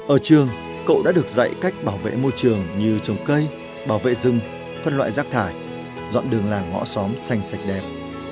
ở trường cậu đã được dạy cách bảo vệ môi trường như trồng cây bảo vệ rừng phân loại rác thải dọn đường làng ngõ xóm xanh sạch đẹp